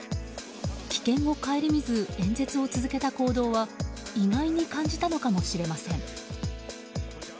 危険を顧みず演説を続けた行動は意外に感じたのかもしれません。